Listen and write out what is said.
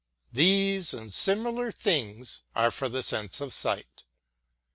These, and similar things, are for the sense of sight.